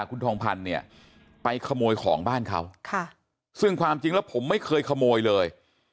คุณทองพันธ์เนี่ยไปขโมยของบ้านเขาซึ่งความจริงแล้วผมไม่เคยขโมยเลย